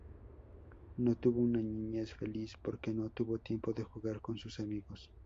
No tuvo una niñez feliz porque no tuvo tiempo de jugar con sus amigos.